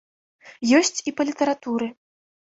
Ёсць і па літаратуры.